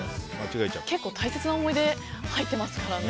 結構大切な思い出入ってますからね。